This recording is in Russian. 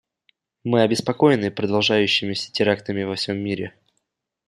Мы обеспокоены продолжающимися терактами во всем мире.